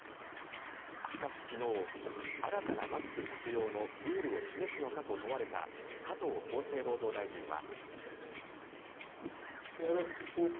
しかし、昨日新たなマスク着用のルールを示すのかと問われた加藤厚生労働大臣は。